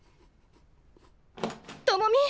智美！